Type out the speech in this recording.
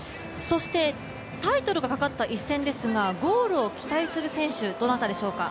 タイトルがかかった一戦ですが、ゴールを期待する選手、どなたでしょうか。